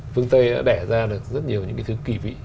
phương tây đã đẻ ra được rất nhiều những cái thứ kỳ vị